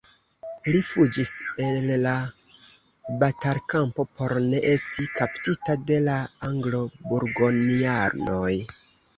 Li fuĝis el la batalkampo por ne esti kaptita de la anglo-burgonjanoj.